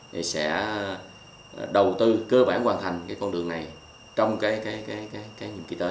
thì sẽ đầu tư cơ bản hoàn thành cái con đường này trong cái nhiệm kỳ tới